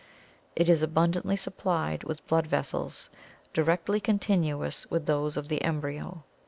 It is abundantly supplied with blood vessels directly continuous with those of the embryo.